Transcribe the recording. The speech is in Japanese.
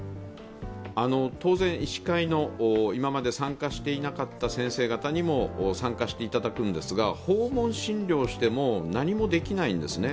当然、医師会の今まで参加していなかった先生方にも参加していただくんですが訪問診療をしても何もできないんですね。